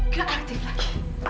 gak aktif lagi